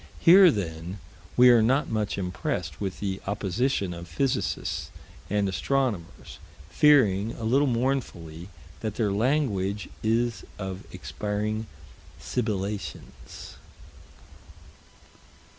Here then we are not much impressed with the opposition of physicists and astronomers, fearing, a little mournfully, that their language is of expiring sibilations.